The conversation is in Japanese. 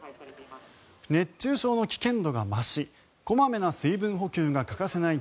熱中症の危険度が増し小まめな水分補給が欠かせない